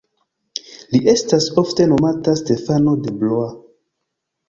Li estas ofte nomata Stefano de Blois.